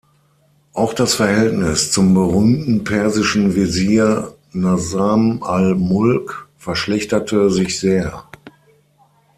Auch das Verhältnis zum berühmten persischen Wesir Nizam al-Mulk verschlechterte sich sehr.